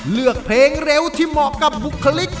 เลือกเพลงเร็วที่เหมาะกับบุคลิก